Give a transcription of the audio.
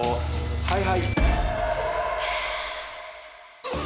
はいはい。